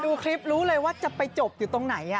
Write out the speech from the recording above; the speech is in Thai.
ดูคลิปรู้เลยว่าจะไปจบอยู่ตรงไหน